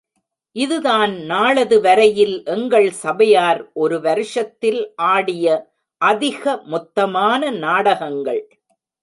இதுதான் நாளது வரையில் எங்கள் சபையார் ஒரு வருஷத்தில் ஆடிய அதிக மொத்தமான நாடகங்கள்.